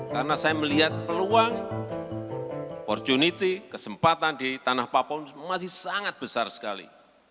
karena saya melihat peluang opportunity kesempatan di tanah papua masih sangat besar sekali